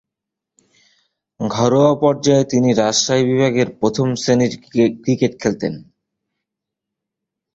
ঘরোয়া পর্যায়ে তিনি রাজশাহী বিভাগের হয়ে প্রথম-শ্রেণীর ক্রিকেট খেলতেন।